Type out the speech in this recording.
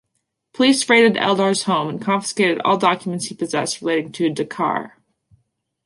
Police raided Eldar's home and confiscated all documents he possessed relating to "Dakar".